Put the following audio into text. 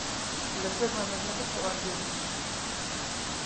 لەسەرمانە زیاتر شەڕانگێز بین.